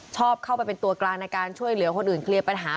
ชอบเข้าไปเป็นตัวกลางในการช่วยเหลือคนอื่นเคลียร์ปัญหา